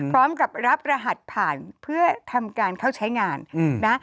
พร้อมกับรับรหัสผ่านเพื่อทำการเข้าใช้งานนะ